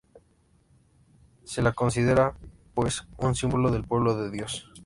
Se la considera, pues, un símbolo del pueblo de Dios.